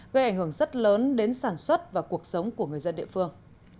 gây ảnh hưởng rất lớn đến sản xuất và cuộc sống của người dân địa phương